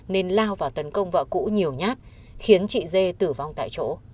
nên lao vào tấn công vợ cũ nhiều nhát khiến chị dê tử vong tại chỗ